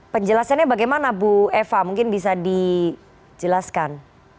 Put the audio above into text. penjelasannya bagaimana bu eva mungkin bisa dijelaskan